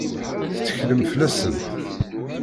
Tetteklem fell-asent?